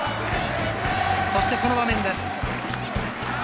そしてこの場面です。